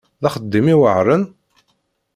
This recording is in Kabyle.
D axeddim iweɛṛen?